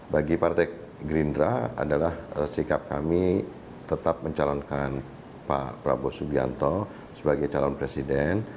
bagi partai gerindra adalah sikap kami tetap mencalonkan pak prabowo subianto sebagai calon presiden